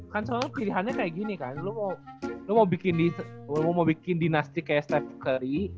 kan soalnya pilihannya kayak gini kan lo mau bikin dinastik kayak steph curry